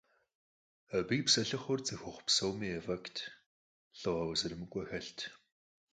Абы и псэлъыхъур цӀыхухъу псоми ефӀэкӀырт, лӀыгъэ къызэрымыкӀуэ хэлът.